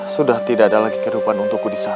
sudah tidak ada lagi kehidupan untukku di sana